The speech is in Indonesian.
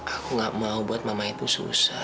aku gak mau buat mama itu susah